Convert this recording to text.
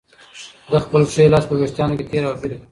ده خپل ښی لاس په وېښتانو کې تېر او بېر کړ.